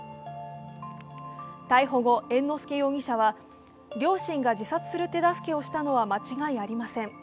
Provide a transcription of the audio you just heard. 逮捕後、猿之助容疑者は両親が自殺する手助けをしたのは間違いありません